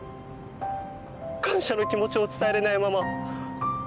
感謝の気持ちを伝えれないまま。